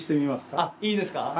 いいですか？